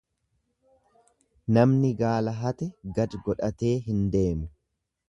Namni gaala hate gad godhatee hin deemu.